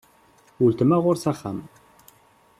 Uletma ɣur-s axxam.